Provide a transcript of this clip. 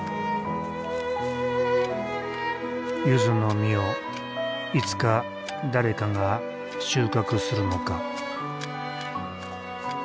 ゆずの実をいつか誰かが収穫するのか。